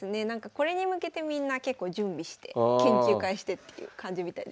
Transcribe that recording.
これに向けてみんな結構準備して研究会してっていう感じみたいですね。